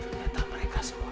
ternyata mereka semua